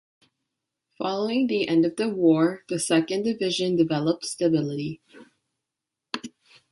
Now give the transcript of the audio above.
Following the end of the war, the second division developed stability.